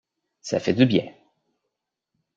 Ça fait du bien.